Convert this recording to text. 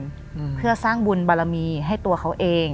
อืมเพื่อสร้างบุญบารมีให้ตัวเขาเอง